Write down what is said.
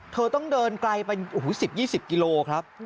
เธอต้องเดินไกลไป๑๐๒๐กิโลครับ